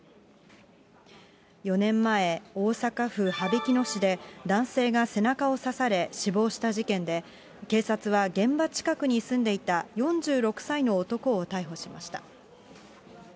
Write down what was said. ４年前、大阪府羽曳野市で、男性が背中を刺され、死亡した事件で、警察は、現場近くに住んでいた４６歳の男を逮捕しました。